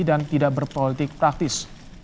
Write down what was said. dan tidak berpolitik praktis